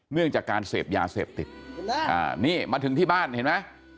เนื่องจากการเสพยาเสพติดนี่มาถึงที่บ้านเห็นไหม